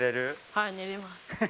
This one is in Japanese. はい、寝れます。